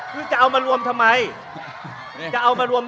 คุณจิลายุเขาบอกว่ามันควรทำงานร่วมกัน